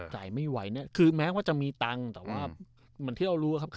จ่ายไม่ไหวเนี่ยคือแม้ว่าจะมีตังค์แต่ว่าเหมือนที่เรารู้ครับ